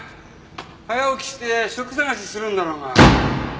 早起きして職探しするんだろうが。